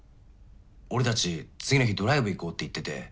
俺たち次の日ドライブ行こうって言ってて。